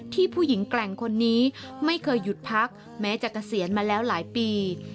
ผู้หญิงแกร่งคนนี้ไม่เคยหยุดพักแม้จะเกษียณมาแล้วหลายปี